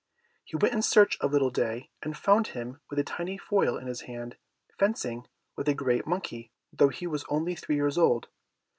He went in search of little Day, and found him with a tiny foil in his hand, fencing with a great monkey, though he was only three years old.